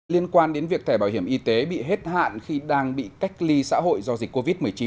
liên quan đến việc thẻ bảo hiểm y tế bị hết hạn khi đang bị cách ly xã hội do dịch covid một mươi chín